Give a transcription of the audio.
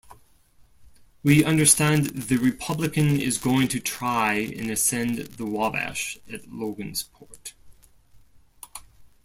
We understand the Republican is going to try and ascend the Wabash at Logansport.